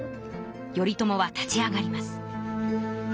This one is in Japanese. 頼朝は立ち上がります。